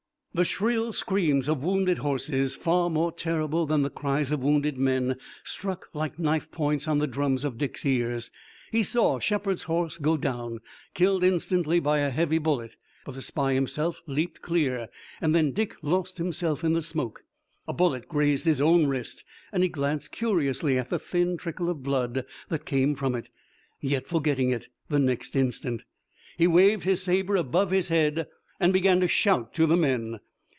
The shrill screams of wounded horses, far more terrible than the cries of wounded men, struck like knife points on the drums of Dick's ears. He saw Shepard's horse go down, killed instantly by a heavy bullet, but the spy himself leaped clear, and then Dick lost him in the smoke. A bullet grazed his own wrist and he glanced curiously at the thin trickle of blood that came from it. Yet, forgetting it the next instant, he waved his saber above his head, and began to shout to the men.